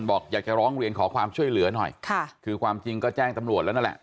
บอกอยากจะร้องเรียนขอความช่วยเหลือหน่อยค่ะคือความจริงก็แจ้งตำรวจแล้วนั่นแหละ